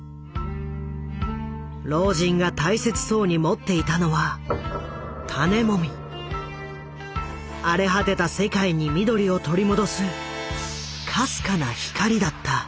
老人が大切そうに持っていたのは荒れ果てた世界に緑を取り戻すかすかな光だった。